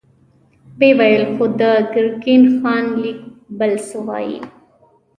ويې ويل: خو د ګرګين خان ليک بل څه وايي.